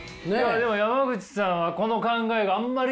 山口さんはこの考えがあんまり。